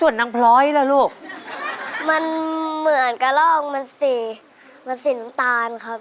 มันเหมือนกะลอกมันสีมันสีน้ำตาลครับ